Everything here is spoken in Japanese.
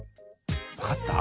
分かった？